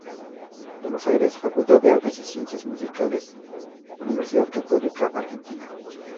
Buenos Aires: Facultad de Artes y Ciencias Musicales, Universidad Católica Argentina.